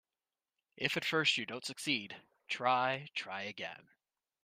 If at first you don't succeed, try, try again.